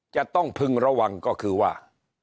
จะต้องพึงระวังก็คือว่า